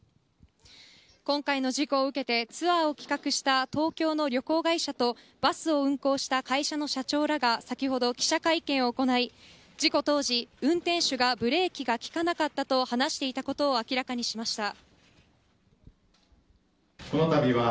今回の事故を受けてツアーを企画した東京の旅行会社とバスを運行した会社の社長らが先ほど、記者会見を行い事故当時、運転手がブレーキが利かなかったと話していたことを明らかにしました。